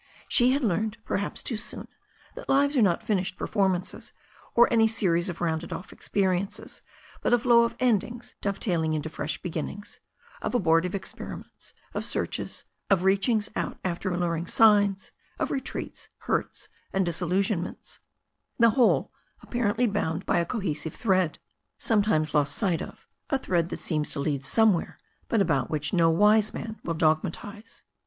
She had learned, perhaps too soon, that lives are not finished per formances, or any series of rounded off experiences, but a flow of endings dovetailing into fresh beginnings, of abor tive experiments, of searches, of reachings out after allur ing signs, of retreats, hurts and disillusionments, the whole apparently bound by a cohesive thread, sometimes lost sight of, a thread that seems to lead somewhere, but about which no wise man will dogmatize.